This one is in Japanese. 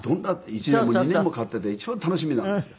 １年も２年もかかっていて一番楽しみなんですよ。